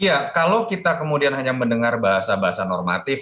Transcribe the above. ya kalau kita kemudian hanya mendengar bahasa bahasa normatif